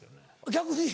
逆に。